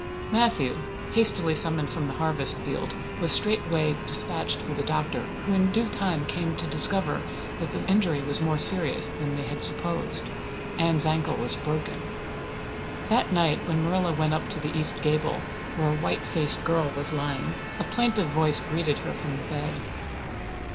Matthew, hastily summoned from the harvest field, was straightway dispatched for the doctor, who in due time came, to discover that the injury was more serious than they had supposed. Anne's ankle was broken. That night, when Marilla went up to the east gable, where a white faced girl was lying, a plaintive voice greeted her from the bed.